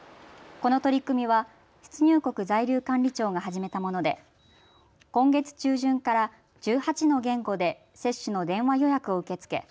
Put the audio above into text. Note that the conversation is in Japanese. この取り組みは出入国在留管理庁が始めたもので今月中旬から１８の言語で接種の電話予約を受け付け